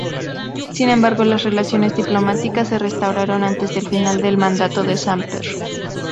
Sin embargo, las relaciones diplomáticas se restauraron antes del final del mandato de Samper.